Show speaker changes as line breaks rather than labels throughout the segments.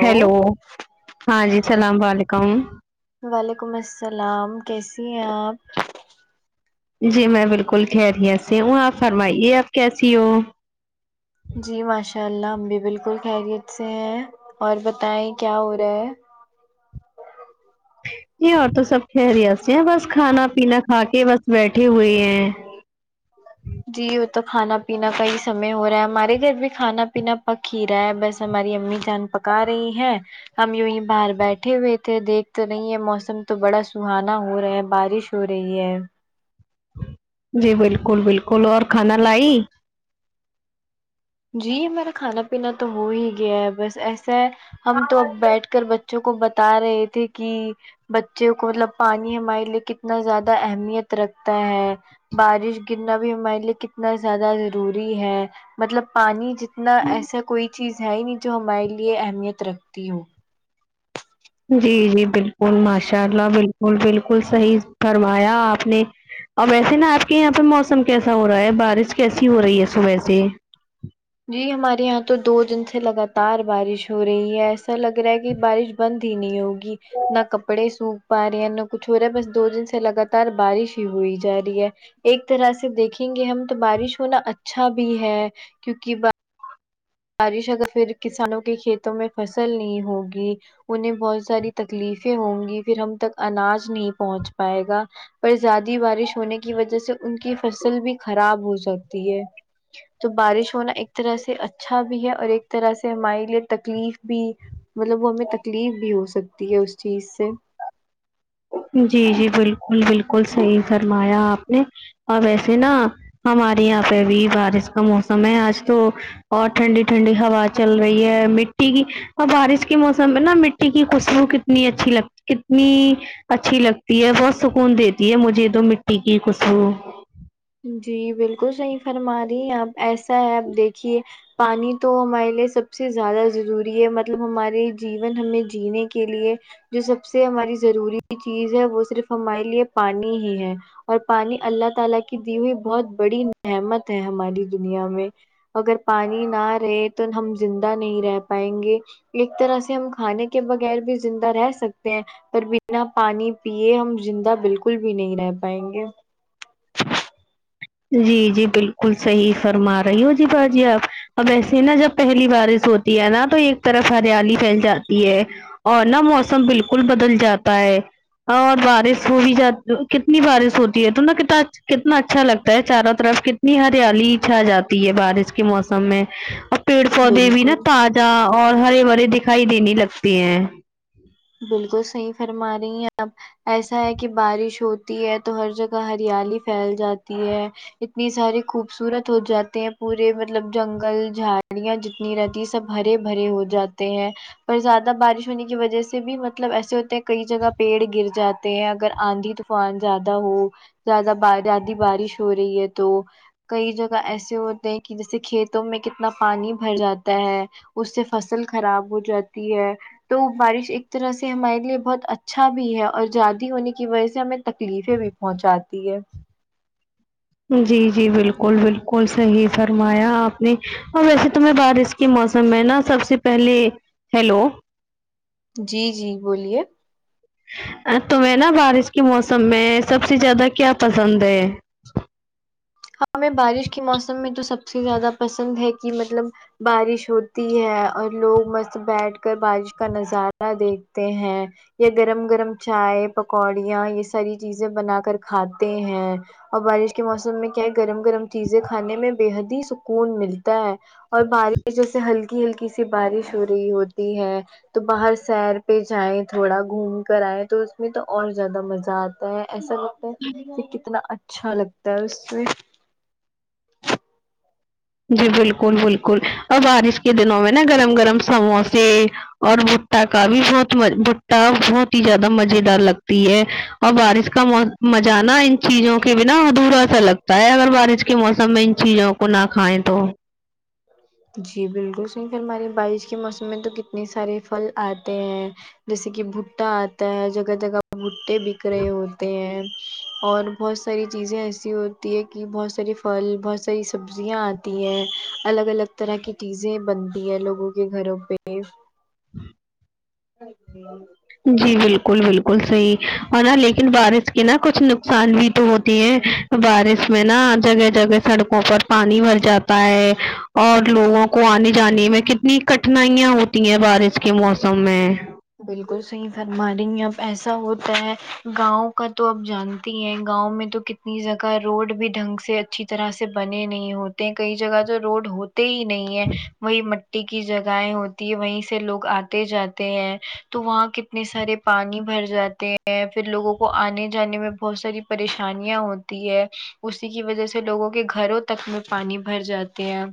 hello ہاں جی سلام و علیکم
وعلیکم السلام کیسی ہیں آپ
جی میں بالکل خیریت سے ہوں آپ فرمائیے آپ کیسی ہو
جی ماشاء اللہ ہم بھی بالکل خیریت سے ہیں اور بتائیں کیا ہو رہا ہے
یہاں تو سب خیریت سے ہیں بس کھانا پینا کھا کے بس بیٹھے ہوئے ہیں
جی وہ تو کھانا پینا کا ہی سمے ہو رہا ہے ہمارے گھر بھی کھانا پینا پک ہی رہا ہے بس ہماری امی جان پکا رہی ہے ہم یوحی باہر بیٹھے ہوئے تھے دیکھ تو نہیں ہے موسم تو بڑا سہانا ہو رہا ہے بارش سو رہی ہے
جی بالکل بالکل اور کھانا لائی
جی میرا کھانا پینا تو ہو ہی گیا ہے بس ایسے ہم تو اب بیٹھ کر بچوں کو بتا رہے تھے کہ بچوں کو مطلب پانی ہمارے لیے کتنا زیادہ اہمیت رکھتا ہے بارش گرنا بھی ہمارے لیے کتنا زیادہ ضروری ہے مطلب پانی جتنا ایسا کوئی چیز ہے نہیں جو ہمارے لیے اہمیت رکھتی ہو
جی جی بالکل ماشاء اللہ بالکل بالکل صحیح فرمایا آپ نے اور ویسے نا آپ کے یہاں پہ موسم کیسا ہو رہا ہے بارش کیسی ہو رہی ہے صبح سے
جی ہمارے یہاں تو دو دن سے لگاتار بارش ہو رہی ہے ایسا لگ رہا ہے کہ بارش بند ہی نہیں ہوگی نہ کپڑے سو پا رہی ہیں ن کچھ ہو رہا ہے بس دو دن سے لگاتار بارش ہی ہوئی جا رہی ہے ایک طرح سے دیکھیں گے ہم تو بارش ہونا اچھا بھی ہے کیونکہ بارش ا تو پھر کسانوں کے کھیتوں میں فصل نہیں ہوگی انہیں بہت ساری تکلیفیں ہوں گی پھر ہم تک اناج نہیں پہنچ پائے گا پر زیادی بارش ہونے کی وجہ سے ان کی فصل بھی خراب ہو سکتی ہے تو بارش ہونا ایک طرح سے اچ اچھا بھی ہے اور ایک طرح سے ہمارے لیے تکلیف بھی مطلب وہ ہمیں تکلیف بھی ہو سکتی ہے اس چیز سے
جی جی بالکل بالکل صحیح فرمایا آپ نے اور ویسے نا ہمارے یہاں پہ بھی بارش کا موسم ہے آج تو اور ٹھنڈی ٹھنڈی ہوا چل رہی ہے مٹی کی اور بارش کے موسم میں نا مٹی کی خوسبو کت کتنی اچھی لگتی کتنی اچھی لگتی ہے بہت سکون دیتی ہے مجھے تو مٹی کی خوسبو
جی بالکل صحیح فرما رہی آپ ایسا ہے آپ دیکھیے پانی تو ہمارے لیے سب سے زیادہ ضروری ہے مطلب ہمارے جیون ہمیں جینے کے لیے جو سب سے ہماری ضروری چیز ہے وہ صرف ہمارے لیے پانی ہی ہے اور پانی اللہ تعالی کی دی ہوئی بہت بڑی نعمت ہے ہماری دنیا میں اگر پانی نہ رہے تو ہم زندہ نہیں رہ پائیں گے ایک طرح سے ہم کھانے کے بغیر بھی زندہ رہ سکتے ہیں پر بنا پانی پیے ہم زندہ بالکل بھی نہیں رہ پائیں گے
جی جی بالکل صحیح فرما رہی ہو جی با جی آپ اب ایسے نا جب پہلی بارش ہوتی ہے نا تو ایک طرف ہریالی پھیل جاتی ہے اور نا موسم بالکل بدل جاتا ہے اور بارش ہو ہی جاتی کتنی بارش ہوتی ہے تو نا کت کتنا اچھا لگتا چاروں طرف کتنی ہریالی چھا جاتی ہے بارش کے موسم میں ا پیڑ پودے بھی
بالکل
نا تازہ اور ہرے بھرے دکھائی دینے لگتے ہیں
بالکل صحیح فرما رہی ہیں آپ ایسا ہے کہ بارش ہوتی ہے تو ہر جگہ ہریالی پھیل جاتی ہے اتنی ساری خوبصورت ہو جاتے ہیں پورے مطلب جنگل جھاڑیاں جتنی نہیں رہتی سب ہرے بھرے ہو جاتے ہیں پر زیادہ بارش ہونے کی وجہ سے سے بھی مطلب ایسے ہوتے ہیں کئی جگہ پیڑ گر جاتے ہیں اگر آندھی طوفان زیادہ ہو زیادہ ب زیادہ بارش ہو رہی ہے تو کئی جگہ ایسے ہوتے ہیں کہ جیسے کھیتوں میں کتنا پانی بھر جاتا ہے اس سے فصل خراب ہو جاتی ہے تو بارش ایک اس طرح سے ہمارے لیے بہت اچھا بھی ہے اور زیاادی ہونے کی وجہ سے ہمیں تکلیفیں بھی پہنچاتی ہے
جی جی بالکل بالکل صحیح فرمایا آپ نے اور ویسے تو میں بارش کے موسم میں نا سب سے پہلے ہیلو
جی جی بولیے
تمہیں نا بارش کے موسم میں سب سے زیادہ کیا پسند ہے
ہمیں بارش کے موسم میں تو سب سے زیادہ پسند ہے کہ مطلب بارش ہوتی ہے اور لوگ مست بیٹھ کر بارش کا نظارہ دیکھتے ہیں یا گرم گرم چائے پکوڑیاں یہ ساری چیزیں بنا کر کھاتے ہیں اور بارش کے موسم میں کیا ہے گرم گرم چیزیں کھانے میں بے حد ہی سکون ملتا ہے اور بارش جیسے ہلکی ہلکی سی بارش ہو رہی ہوتی ہے تو باہر سیر پہ جائیں تھوڑا گھوم کر آئیں تو اس میں تو اور زیادہ مزہ آتا ایسا لتا ہے کتنا اچھا لگتا ہے اس سے
جی بالکل بالکل اور بارش کے دنوں میں نا گرم گرم سموسے اور بھٹٹا کا بھی بہت م بھٹٹا بہت ہی زیادہ مزے دار لگتی ہے اور بارش کا م مزہ نا ان چیزوں کے بنا ادھورا سا لگتا ہے اگر بارش موسم میں ان چیلوں کو ناک کھایے تو
جی بالکل صحیح فرما رہی ہے بارش کے موسم میں تو کتنے سارے پھل آتے ہیں جیسے کہ بھٹا آتا ہے جگہ جگہ بھٹے بک رہے ہوتے ہیں اور بہت ساری چیزیں ایسی ہوتی ہے کہ بہت سارے پھل بہت س اری سبزیاں آتی ہیں الگ الگ طرح کی چیزیں بنتی ہیں لوگوں کے گھروں پہ [unintelligible]
جی بالکل بالکل صحیح اور نا لیکن بارش کے نا کچھ نقصان بھی تو ہوتی ہے بارش میں نا جگہ جگہ سڑکوں پر پانی بھر جاتا ہے اور لوگوں کو آنے جانے میں کتنی کٹنائیاں ہوتی ہیں بارش کے موسم میں
بالکل صحیح فرما رہی ہیں اب ایسا ہوتا ہے گاؤں کا تو آپ جانتی ہیں گاؤں میں تو کت اس جگہ روڈ بھی ڈھنگ سے اچھی طرح سے بنے نہیں ہوتے ہیں کئی جگہ تو روڈ ہوتے ہی نہیں وہی مٹی کی جگہیں ہوتی ہے وہیں سے لوگ آتے جاتے ہیں تو وہاں کتنے سارے پانی بھر جاتے ہیں پھر لوگوں کو آنے جانے میں بہت ساری پریشانیاں ہوتی ہے اسی کی وجہ سے لوگوں کے گھروں تک میں پانی بھر جات ے ہے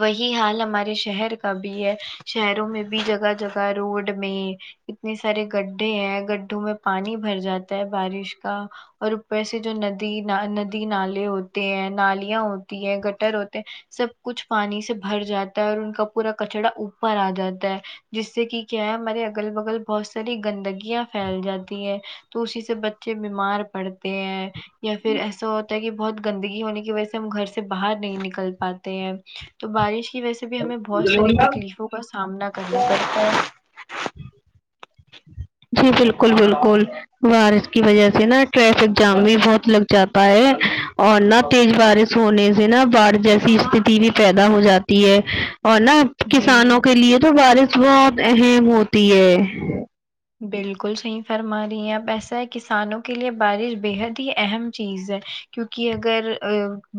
وہی حال ہمارے شہر کا بھی ہے شہروں میں بھی جگہ جگہ روڈ میں اتنے سارے گڈھے ہیں گڈھوں میں پانی بھر جاتا ہے بارش کا اور اوپر سے جو ندی ندی نالے ہوتے ہیں نالیاں ہوتی ہے گٹر ہوتے ہیں سب کچھ پانی سے بھر جاتا ہے اور ان کا پورا کچڑا اوپر آ جاتا ہے جس سے کہ کیا ہے ہمارے اگل بگل بہت ساری گندگیاں پھیل جاتی ہے تو اسی سے ب چے بیمار پڑتے ہیں یا پھر ایسا ہوتا ہے کہ بہت گندگی ہونے کی وجہ سے ہم گھر سے باہر نہیں نکل پاتے ہیں تو بارش کی وجہ سے بھی ہمیں بہت
جی
ساری تکلیفوں کا سامنا کرنا پڑتا ہے
جی بالکل بالکل بارش کی وجہ سے نا ٹریفک جام بھی بہت لگ جاتا ہے اور نہ تیز بارش سونے سے نا باڑھ جیسی استتی بھی پیدا ہو جاتی ہے اور نا
جی
کسانوں کے لیے تو بارش بہت اہم ہوتی ہے
بالکل صحیح فرما رہی ہیں اب ایسا ہے کسانوں کے لیے بارش بےحد ہی اہم چیز ہے کیونکہ اگر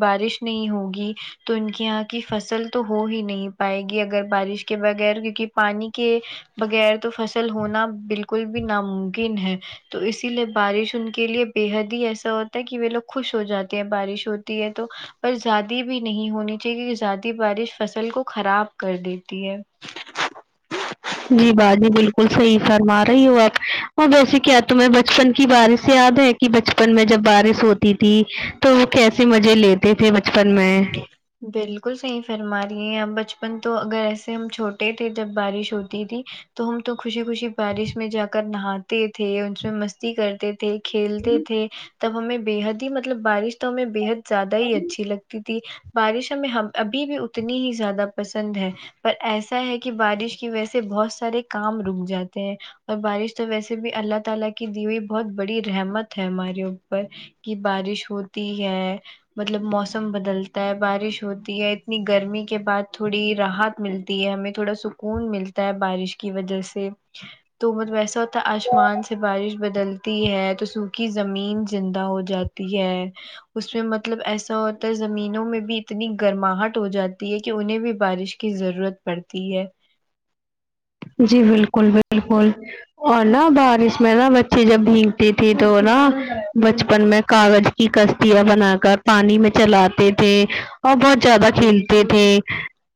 بارش نہیں ہوگی تو ان کے یہاں کی فصل تو ہو ہی نہیں پائے گی اگر بارش کے بغیر کیونکہ پانی کے بغیر تو فصل ہونا بالکل بھی نا ممکن ہے تو اسی لیے بارش ان کے لیے بے حد ہی ایسا ہوتا ہے کہ وہ لوگ خوش ہو جاتے ہیں بارش ہوتی ہے تو پر زیادی بھی نہیں ہونی چاہیے کیونکہ زیادی بارش فصل کو خراب کر دیتی ہے
جی باجی بالکل صحیح فرما رہی ہو آپ اور ویسے کیا تمہیں بچپن کی بارشیں یاد ہے کہ بچپن میں جب بارش ہوتی تھی تو وہ کیسے مزے لیتے تھے بچپن میں
بالکل صحیح فرما رہی ہیں آپ بچپن تو اگر ایسے ہم چھوٹے تھے جب بارش ہوتی تھی تو ہم تو خوشی خوشی بارش میں جا کر نہاتے تھے اس میں مستی کرتے تھے کھیلتے تھے تب ہمیں بےحد ہی مطلب بارش تو ہمیں بےحد زیادہ ہی اچھی لگتی تھی بارش ہمیں ابھی بھی اتنی ہی زیادہ پسند ہے پر ایسا ہے کہ بارش کی وجہ سے بہت سارے کام رک جاتے ہیں اور بارش تو ویسے بھی اللہ تعالی کی دی ہوئی بہت بڑی رحمت ہے ہمارے اوپر کہ بارش ہوتی ہے مطلب موسم بدل بارش ہوتی ہے اتنی گرمی کے بعد تھوڑی راحت ملتی ہے ہمیں تھوڑا سکون ملتا بارش کی وجہ سے تو مطلب ایسا ہوتا ہے آسمان سے بارش بدلتی ہے تو سوکھی زمین زندہ ہوجاتی ہے اس میں مطلب ایسا ہوتا ہے زمین میں بھی اتنی گرماہٹ ہو جاتی ہے کہ انہیں بھی بارش کی ضرورت پڑتی ہے
جی بالکل بالکل اور ناں بارش میں ناں بچے جب بھیگتے تھے تو ناں بچپن میں کاغذ کی کشتیاں بنا کر پانی میں چلاتے تھے اور بہت زیادہ کھیلتے
بالکل
تھے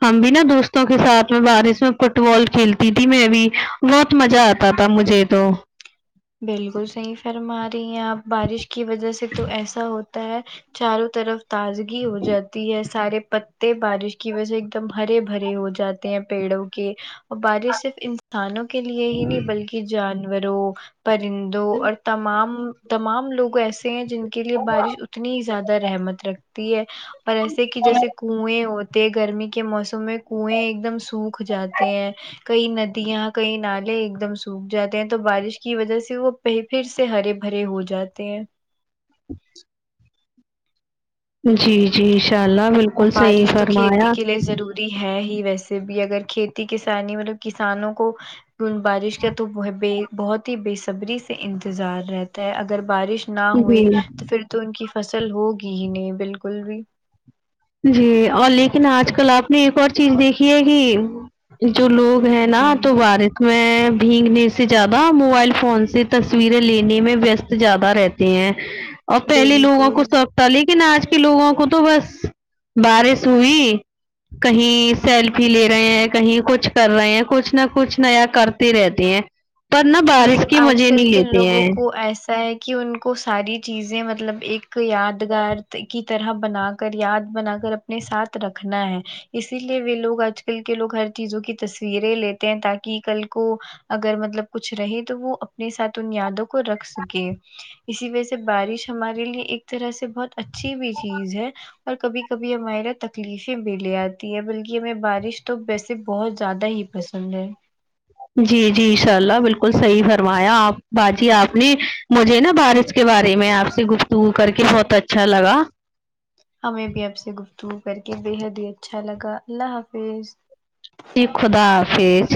ہم بھی ناں دوستوں کے ساتھ میں بارش میں فٹ بال کھیلتے تھی میں بھی بہت مزہ آتا تھا مجھے تو
بالکل صحیح فرما رہی ہیں آپ بارش کی وجہ سے تو ایسا ہوتا ہے چاروں طرف تازگی ہو جاتی ہے سارے پت تے بارش کی وجہ ایک دم ہرے بھرے ہو جاتے ہیں پیڑوں کے اور بارش صرف انسانوں کے لیے ہی نہیں بلکہ جانوروں پرندوں اور تمام تمام لوگ ایسے ہیں جن کے لیے بارش اتنی ہی زیادہ رحمت رکھتی ہے پر ایسے کہ جیسے کنویں ہوتے گرمی کے موسم میں کنویں ایک دم سوکھ جاتے ہیں کئی ندیاں کئی نالے ایک دم سوکھ جاتے ہیں تو بارش کی وجہ سے وہ پھر سے ہرے بھرے ہو جاتے ہیں
[inaudible] جی جی انشاء اللہ بالکل صحیح
بارش تو کھیتی
فرمایا
کے لیے ضروری ہے ہی ویسے بھی اگر کھیتی کسانی مطلب کسانوں کو کی بارش کا تو بہت ہی بےصبری سے انتظار رہتا ہے اگر بارش نہ
جی
ہوئی تو پھر تو ان کی فصل ہوگی ہی نہیں بالکل بھی
جی اور لیکن
تو
آج کل آپ نے ایک اور چیز دیکھی ہے کہ جو لوگ ہے
جی
ناں تو بارش میں بھیگنے سے زیادہ موبائل فون سے تصویریں لینے میں ویست زیادہ رہتے ہیں اور پہلے لوگوں کو
بالکل
سوق تھا لیکن آج کے لوگوں کو تو بس بارش ہوئی کہیں سیلفی لے رہے ہیں کہیں کچھ کر رہے ہیں کچھ نہ کچھ نیا کر تے رہتے ہیں پر نہ بارش
مطلب
کے
آج
مزے
کل
نہیں
کے
لیتے
لوگوں
ہیں
کو ایسا ہے کہ ان کو ساری چیزیں مطلب ایک یادگار کی طرح بنا کر یاد بنا کر اپ اپنے ساتھ رکھنا ہے اسی لیے وے لوگ آج کل کے لوگ ہر چیزوں کی تصویریں لی تے ہیں تاکہ کل کو اگر مطلب کچھ رہے تو وہ اپنے ساتھ ان یادوں کو رکھ سکے اسی وجہ سے بارش ہمارے لیے ایک طرح سے بہت اچھی بھی چیز ہے اور کبھی کبھی ہمارےا تکلیفیں بھی لے آتی ہے بلکہ ہمیں بارش تو ویسے بہت زیادہ ہی پھر سنڈے
جی جی انشاء اللہ بالکل صحیح فرمایا آپ باجی آپ نے مجھے نا بارش اس کے بارے میں آپ سے گفتگو کر کے بہت اچھا لگا
ہمیں بھی اب سے گفتگو کر کے بےحد ہی اچھا لگا اللہ حافظ
جی خدا حافظ